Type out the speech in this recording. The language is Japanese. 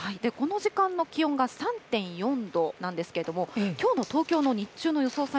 この時間の気温が３．４度なんですけれども、きょうの東京の日中の予想